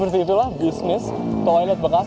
ya seperti itulah bisnis toilet bekas atau sanitary bekas